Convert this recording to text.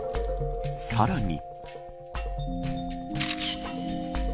さらに。